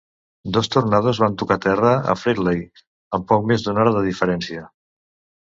Dos tornados van tocar terra en Fridley, amb poc més d'una hora de diferència.